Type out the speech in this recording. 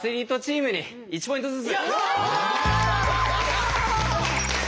きれいに１ポイントずつ。